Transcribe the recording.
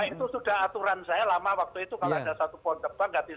itu sudah aturan saya lama waktu itu kalau ada satu pohon ditebang ganti sepuluh gitu